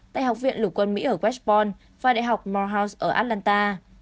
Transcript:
tại học viện lục quân mỹ ở westbourne và đại học morehouse ở atlanta